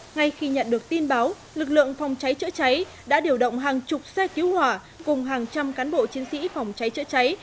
ngay khi nhận được tin báo lực lượng phòng cháy chữa cháy đã điều động hàng chục xe cứu hỏa cùng hàng trăm cán bộ chiến sĩ phòng cháy chữa cháy